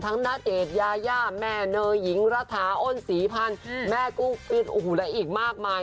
ทั้งณเดชยาย่าแม่เนอหญิงระถาอ้นศรีพันธ์แม่กุ๊กปิ๊ดและอีกมากมาย